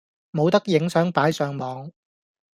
冇得影相擺上網